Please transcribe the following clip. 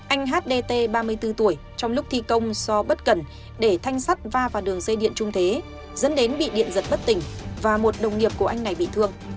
anh hdt ba mươi bốn tuổi trong lúc thi công do bất cần để thanh sắt va vào đường dây điện trung thế dẫn đến bị điện giật bất tỉnh và một đồng nghiệp của anh này bị thương